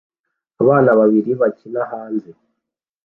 Abana babiri bakina hanze